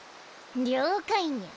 了解ニャ。